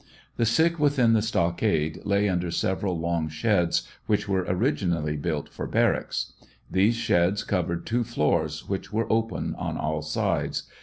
The sick within the stockade lay under several long sheds which were originally built for barracks. These sheds covered two floors which were open on all sides.